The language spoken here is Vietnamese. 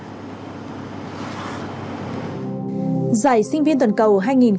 giải sinh viên toàn cầu hai nghìn hai mươi